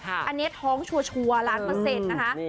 อันนี้ท้องชัวร์ล้านเปอร์เซ็นต์นะคะ